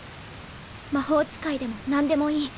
魔法使いでも何でもいい。